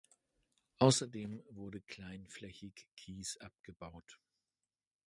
Außerdem wurde kleinflächig Kies abgebaut.